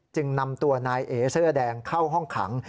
จึงนำตัวนายเอเสื้อแดงเข้าห้องขัง